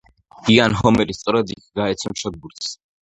იან ჰომერი სწორედ იქ გაეცნო ჩოგბურთს.